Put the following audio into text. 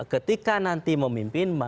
ketika nanti memimpin